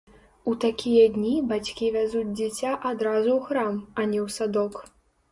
У такія дні бацькі вязуць дзіця адразу ў храм, а не ў садок.